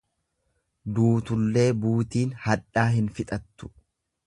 Duutullee buutiin hadhaa hin fixattu.